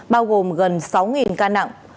bao gồm gần sáu ca nặng